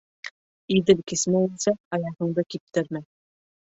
Иҙел кисмәйенсә аяғыңды киптермә.